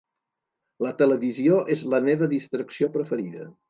La televisió és la meva distracció preferida.